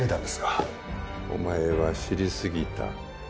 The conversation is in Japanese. お前は知りすぎた。